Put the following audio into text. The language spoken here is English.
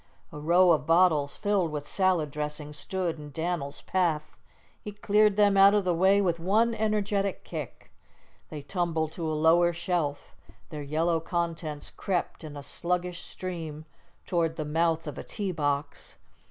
A row of bottles filled with salad dressing stood in Dan'l's path. He cleared them out of the way with one energetic kick. They tumbled to a lower shelf; their yellow contents crept in a sluggish stream toward the mouth of a tea box.